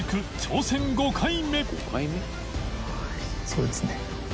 そうですね